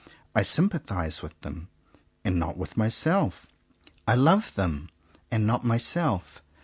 I sympathize with them, and not with myself. I love them, and not myself.